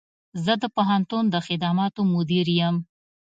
زه د پوهنتون د خدماتو مدیر یم